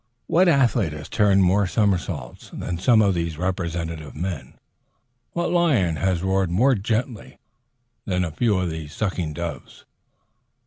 What athlete has turned more somersaults than some of these representative men? What lion has roared more gently than a few of these sucking doves?